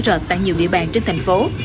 rất rõ rệt tại nhiều địa bàn trên thành phố